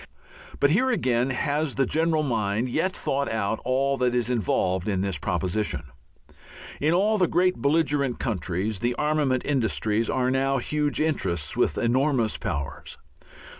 But here, again, has the general mind yet thought out all that is involved in this proposition? In all the great belligerent countries the armament industries are now huge interests with enormous powers.